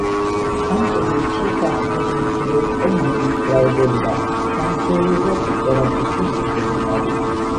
ამ პერიოდში საკმაოდ მცირე იყო მრევლის რაოდენობა, სამღვდელოება კი წერა–კითხვის უცოდინარი.